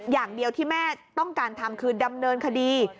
อย่างเดียวที่แม่ต้องการทำคือดำเนินคดี